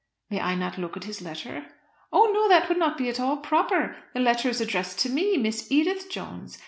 "May I not look at his letter?" "Oh, no! That would not be at all proper. The letter is addressed to me, Miss Edith Jones.